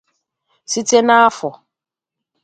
Site nafọ.